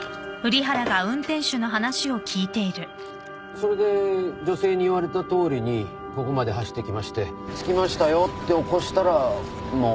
それで女性に言われたとおりにここまで走ってきまして着きましたよって起こしたらもう。